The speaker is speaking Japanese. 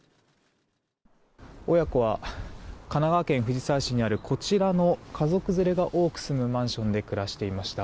親子は神奈川県藤沢市にあるこちらの、家族連れが多く住むマンションで暮らしていました。